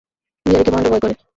বিহারীকে মহেন্দ্র ভয় করে।